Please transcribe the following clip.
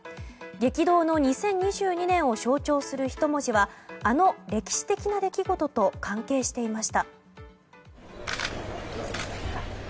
激動の２０２２年を象徴する１文字はあの歴史的な出来事と関係していました。